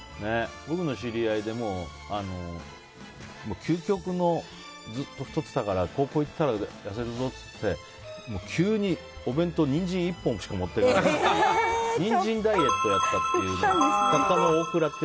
僕の知り合いで究極の、ずっと太ってたから高校行ったら痩せるぞって言って急にお弁当にニンジン１本しか持ってこないっていうニンジンダイエットをやったっていう。